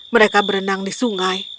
mereka berenang di sungai